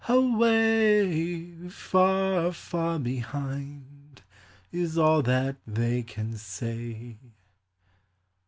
Away, far, far behind, is all that they can say.